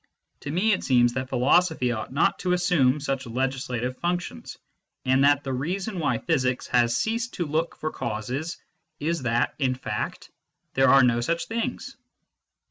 To me it seems that philosophy ought not to assume such legislative functions, and that the reason why physics has ceased to look for causes is that, in fact, there are no such things.